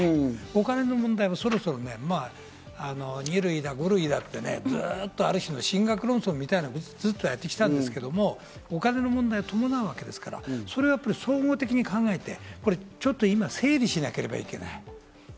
お金の問題はそろそろ２類だ、５類だって、神学論争みたいなことをみんなやってきたんだけど、お金の問題が伴うわけですから総合的に考えて今、整理しなければいけない。